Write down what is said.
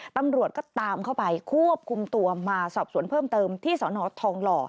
ตำรวจก็ตามเข้าไปควบคุมตัวมาสอบสวนเพิ่มเติมที่สนทองหล่อ